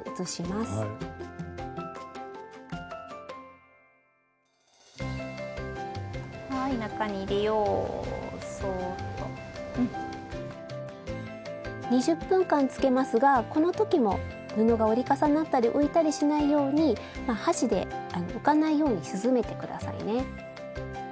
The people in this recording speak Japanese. スタジオ２０分間つけますがこの時も布が折り重なったり浮いたりしないように箸で浮かないように沈めて下さいね。